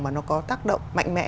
mà nó có tác động mạnh mẽ